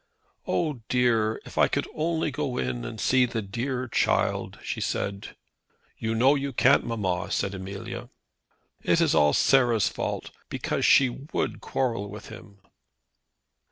"Oh, dear! if I could only go in and see the dear child," she said. "You know you can't, mamma," said Amelia. "It is all Sarah's fault, because she would quarrel with him."